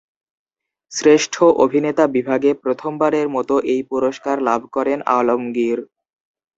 শ্রেষ্ঠ অভিনেতা বিভাগে প্রথমবারের মত এই পুরস্কার লাভ করেন আলমগীর।